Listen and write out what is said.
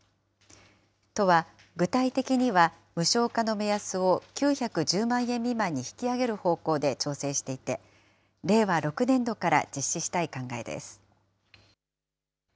都は具体的には無償化の目安を９１０万円未満に引き上げる方向で調整していて、令和６年度から実施したい考えです。